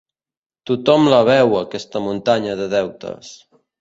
Tothom la veu, aquesta muntanya de deutes.